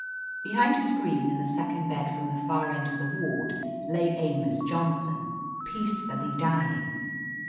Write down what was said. Behind a screen, in the second bed from the far end of the ward lay Amos Johnson, peacefully dying.